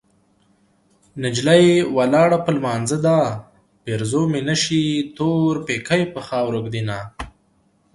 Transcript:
نجلۍ ولاړه په لمانځه ده پېرزو مې نشي تور پيکی په خاورو ږدينه